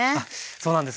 そうなんです。